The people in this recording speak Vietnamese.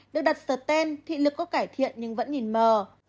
được đặt sở tên thị lực có cải thiện nhưng vẫn nhìn mờ